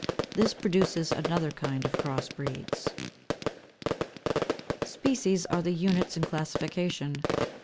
This produces another kind of cross breeds. 525. Species are the units in classification.